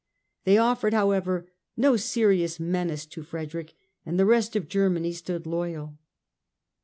They offered, however, no serious menace to Frederick and the rest of Germany stood loyal.